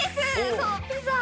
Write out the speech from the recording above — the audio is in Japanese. そうピザ！